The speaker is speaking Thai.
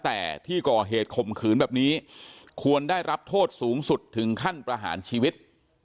แต่ที่ก่อเหตุข่มขืนแบบนี้ควรได้รับโทษสูงสุดถึงขั้นประหารชีวิต